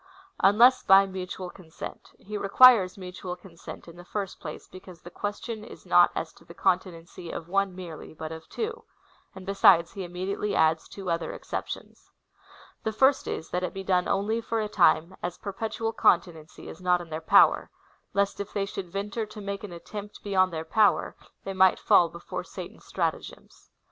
Unless by mutual consent. He requires mutual consent, in the first place, because the question is not as to the conti nency of one merely, but of two ; and besides, he immedi ately adds two other exceptions. The first is, that it be done only/or a time, as perpetual continency is not in their power, lest if they should venture to make an attempt beyond their power, they might fall before Satan's stratagems.